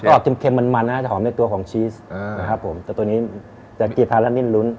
ก็เค็มมันนะฮะจะหอมในตัวของชีสนะครับผมแต่ตัวนี้จากกีดทานแล้วนิ่มลุ้น